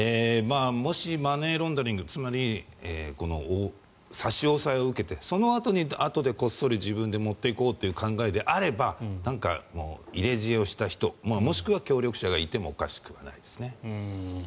もし、マネーロンダリングつまり、差し押さえを受けてそのあとでこっそり自分で持っていこうという考えであれば入れ知恵をした人もしくは協力者がいてもおかしくないですね。